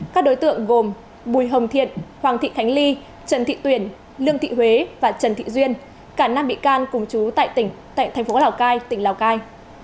các đối tượng gồm bùi hồng thiện hoàng thị khánh ly trần thị tuyển lương thị huế và trần thị duyên cả năm bị can cùng chú tại tỉnh thành phố lào cai tỉnh lào cai